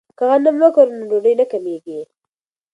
که غنم وکرو نو ډوډۍ نه کمیږي.